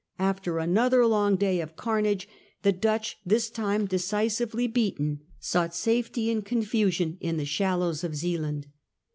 After another long day of carnage the Dutch, this time decisively beaten, sought safety in confusion in the shallows of Zealand.